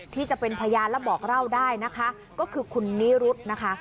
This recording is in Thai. ที่จะเป็นพยานและบอกเล่าได้นะคะก็คือคุณนิรุธนะคะ